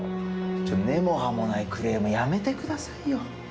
根も葉もないクレームやめてくださいよ